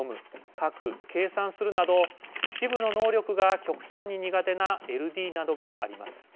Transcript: ・書く・計算するなど一部の能力が極端に苦手なＬＤなどがあります。